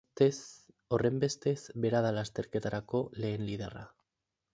Horrenbestez, bera da lasterketako lehen liderra.